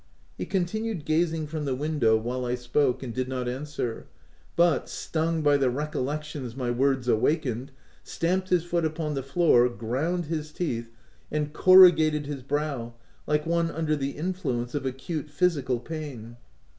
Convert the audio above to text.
• He continued gazing from the window while b 3 10 THE TENANT I spoke, and did not answer, but, stung by the recollections my words awakened, stamped his foot upon the floor, ground his teeth, and corrugated his brow, like one under the in fluence of acute physical pain.